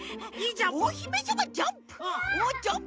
おひめさまジャンプ！